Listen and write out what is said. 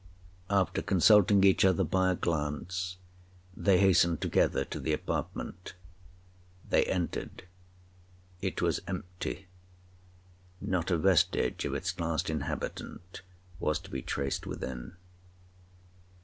After consulting each other by a glance, they hastened together to the apartment. They entered—it was empty—not a vestige of its last inhabitant was to be traced within.